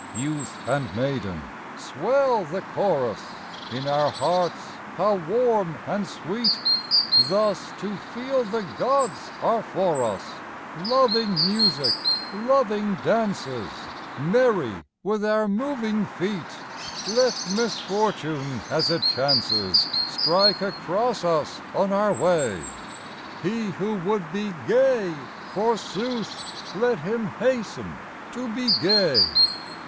Youth and maiden, swell the chorus 1 In our hearts how warm and sweet Thus to feel the gods are for us. Loving music, loving dances. Merry with our moving feet ! Let misfortune as it chances Strike across us on our way : He who would be gay, forsooth, Let him hasten to be gay.